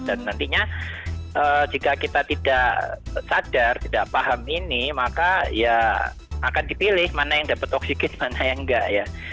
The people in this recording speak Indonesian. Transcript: nantinya jika kita tidak sadar tidak paham ini maka ya akan dipilih mana yang dapat oksigen mana yang enggak ya